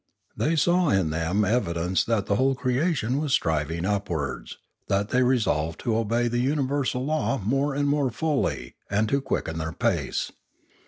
They saw in them evidence that the whole creation was striving upwards, and they resolved to obey the universal law more and more fully and to quicken their pace.